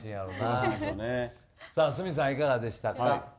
鷲見さん、いかがでしたか。